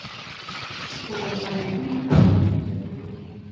که یووالی وي نو په هېواد کې جګړه نه وي.